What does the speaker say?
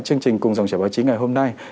chương trình cùng dòng chảy báo chí ngày hôm nay